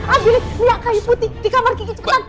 ambil nih liat kayu putih di kamar gigi cepetan